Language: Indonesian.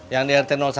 yang di rt satu